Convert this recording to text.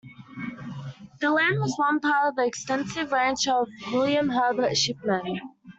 The land was once part of the extensive ranch of William Herbert Shipman.